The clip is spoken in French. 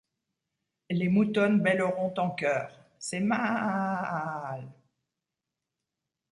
Les moutonnes bêleront en chœur : c’est mââââââl.